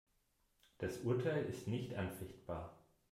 Das Urteil ist nicht anfechtbar.